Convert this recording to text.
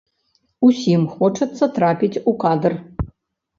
Усім хочацца трапіць у кадр.